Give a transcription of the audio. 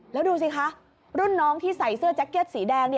แล้วดูสิคะรุ่นน้องที่ใส่เสื้อแจ็คเก็ตสีแดง